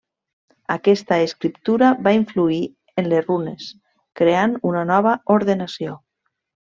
Aquesta escriptura va influir en les runes, creant una nova ordenació.